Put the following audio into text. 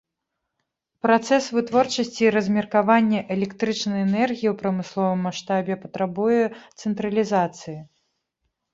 Працэс вытворчасці і размеркавання электрычнай энергіі ў прамысловым маштабе патрабуе цэнтралізацыі.